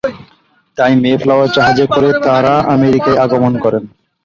তাই Mayflower জাহাজে করে তাঁরা আমেরিকায় আগমন করেন।